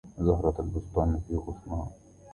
لزهرة البستان في غصنها